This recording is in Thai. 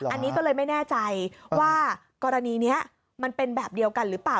อันนี้ก็เลยไม่แน่ใจว่ากรณีนี้มันเป็นแบบเดียวกันหรือเปล่า